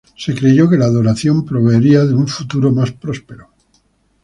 Se creyó que la adoración proveería de un futuro más próspero.